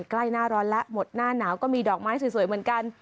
ใกล้หน้าร้อนแล้วหมดหน้าหนาวก็มีดอกไม้สวยเหมือนกัน